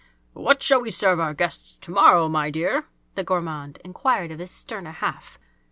"What shall we serve our guests to morrow, my dear?" the gourmand inquired of his sterner half.